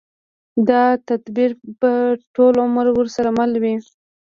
دا تدبير به ټول عمر ورسره مل وي.